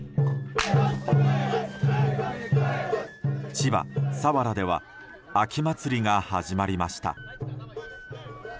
千葉・佐原では秋祭りが始まりました。